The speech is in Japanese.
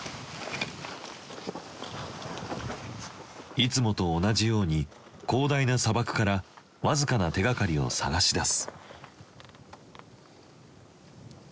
いつもと同じように広大な砂漠から僅かな手がかりを探し出す。